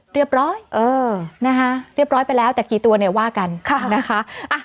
เรียบร้อยเออนะคะเรียบร้อยไปแล้วแต่กี่ตัวเนี่ยว่ากันนะคะ